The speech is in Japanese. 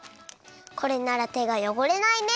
これならてがよごれないね！